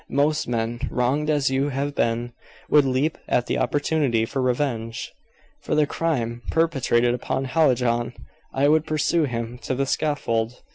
Most men, wronged as you have been, would leap at the opportunity for revenge." "For the crime perpetrated upon Hallijohn I would pursue him to the scaffold.